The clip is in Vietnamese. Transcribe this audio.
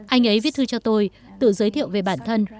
anh ấy viết thư cho tôi tự giới thiệu về bản thân